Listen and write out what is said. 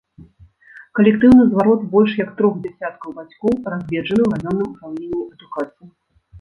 Калектыўны зварот больш як трох дзясяткаў бацькоў разгледжаны ў раённым упраўленні адукацыі.